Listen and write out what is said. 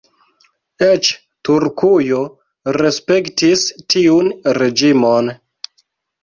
Eĉ Turkujo respektis tiun reĝimon.